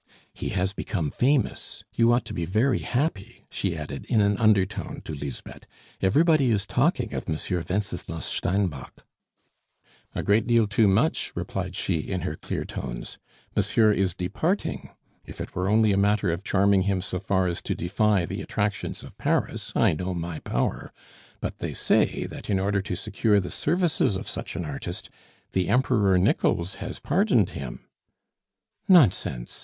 "He has become famous. You ought to be very happy," she added in an undertone to Lisbeth. "Everybody is talking of Monsieur Wenceslas Steinbock." "A great deal too much," replied she in her clear tones. "Monsieur is departing. If it were only a matter of charming him so far as to defy the attractions of Paris, I know my power; but they say that in order to secure the services of such an artist, the Emperor Nichols has pardoned him " "Nonsense!"